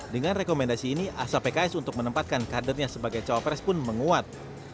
dengan rekomendasi ini asa pks untuk menempatkan kadernya sebagai cawapres pun menguat